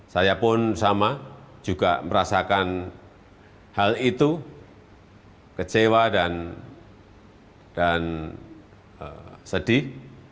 saya pun sama juga merasakan hal itu kecewa dan sedih